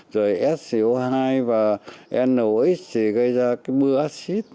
rồi sco hai và nox thì gây ra cái mưa ác xít